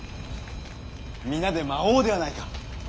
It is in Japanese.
皆で舞おうではないか。